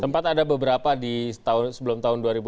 tempat ada beberapa di sebelum tahun dua ribu empat